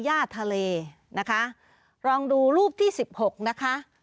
ย่าทะเลนะคะลองดูรูปที่๑๖นะคะ